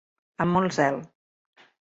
Amb molt zel.